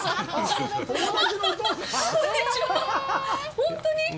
本当に？